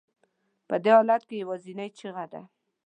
په دې حالت کې یوازینۍ چیغه ده.